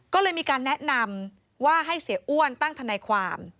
ก็เลยมีการแนะนำว่าให้เสียอ้วนตั้งทนายความ